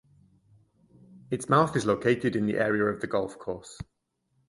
Its mouth is located in the area of the golf course.